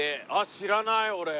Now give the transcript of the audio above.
知らない俺。